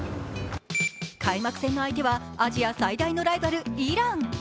開幕戦の相手はアジア最大のライバル・イラン。